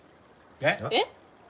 えっ！？